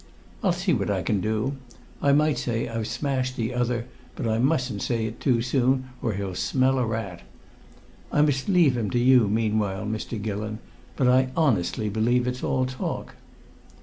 I'll see what I can do. I might say I've smashed the other, but I mustn't say it too soon or he'll smell a rat. I must leave him to you meanwhile, Mr. Gillon, but I honestly believe it's all talk."